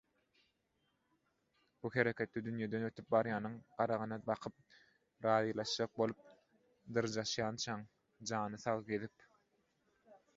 Bu hereketde «Dünýeden ötüp barýanyň garagyna bakyp, razylaşjak bolup dyrjaşýançaň, jany sag gezip